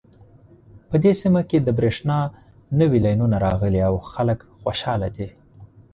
په دې سیمه کې د بریښنا نوې لینونه راغلي او خلک خوشحاله دي